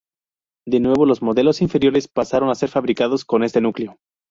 De nuevo, los modelos inferiores pasaron a ser fabricados con este núcleo.